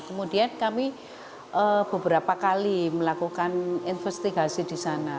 kemudian kami beberapa kali melakukan investigasi di sana